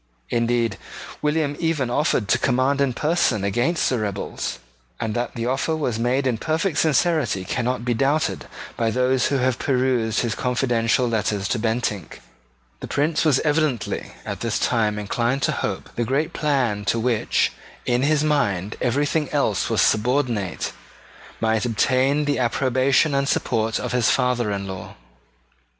Indeed William even offered to command in person against the rebels; and that the offer was made in perfect sincerity cannot be doubted by those who have perused his confidential letters to Bentinck. The Prince was evidently at this time inclined to hope that the great plan to which in his mind everything else was subordinate might obtain the approbation and support of his father in law.